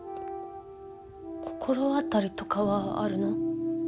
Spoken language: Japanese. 心当たりとかはあるの？